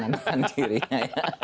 dan tangan kirinya